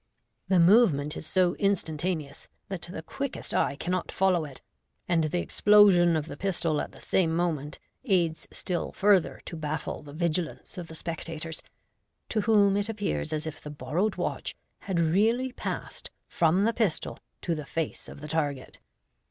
The movement is so instantaneous that the quickest eye cannot follow it, and the explosion of the pistol at the same moment aids still further to baffle the vigilance of the spectators, to whom it appears as if the borrowed watch had really passed from the pistol to the face of the target.